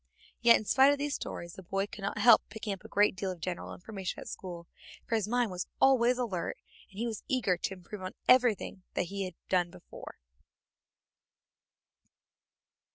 Yet in spite of these stories, the boy could not help picking up a great deal of general information at school, for his mind was always alert, and he was eager to improve on everything that had been done before.